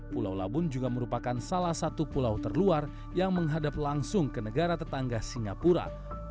pulau labun juga merupakan salah satu pulau terluar yang menghadap langsung ke negara tetangga singapura